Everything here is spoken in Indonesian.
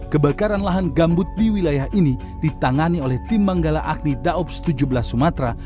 kebakaran lahan gambut di wilayah ini ditangani oleh timbanggala agni daob tujuh belas sumatera